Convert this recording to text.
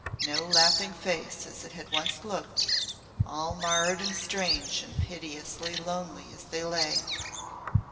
No laughing face as it had once looked all marred and strange and piteously lonely as they lay.